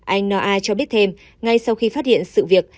anh n a cho biết thêm ngay sau khi phát hiện sự việc